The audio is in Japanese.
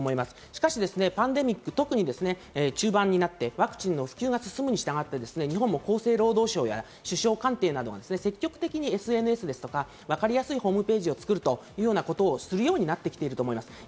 しかしパンデミック、特に中盤になってワクチンの普及が進むに従って日本も厚生労働省や首相官邸などが積極的にＳＮＳとかわかりやすいホームページを作るというようなことをするようになってきていると思います。